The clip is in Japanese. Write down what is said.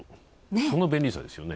その便利さですよね。